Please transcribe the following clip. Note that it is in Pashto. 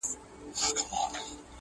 په نصيب يې وې ښادۍ او نعمتونه؛